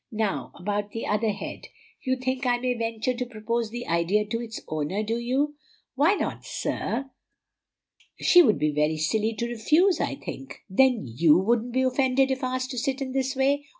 Now, about the other head; you think I may venture to propose the idea to its owner, do you?" "Why not, sir? She would be very silly to refuse, I think." "Then YOU wouldn't be offended if asked to sit in this way?"